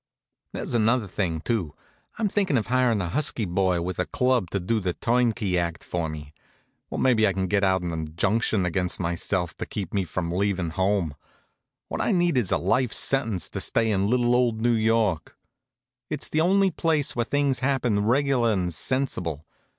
There's another thing, too. I'm thinkin' of hirin' a husky boy with a club to do the turnkey act for me. Or maybe I could get out an injunction against myself to keep me from leavin' home. What I need is a life sentence to stay in little old New York. It's the only place where things happen reg'lar and sensible.